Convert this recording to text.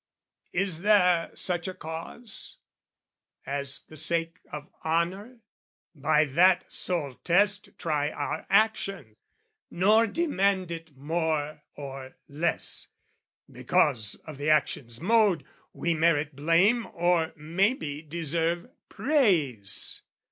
Is there such a cause As the sake of honour? By that sole test try Our action, nor demand it more or less, Because of the action's mode, we merit blame Or may be deserve praise.